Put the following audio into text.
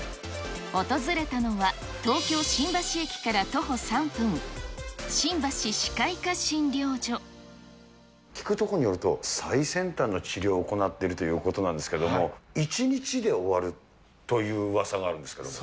訪れたのは、東京・新橋駅か聞くところによると、最先端の治療を行っているということなんですけれども、１日で終わるといううわさがあるんですけれども。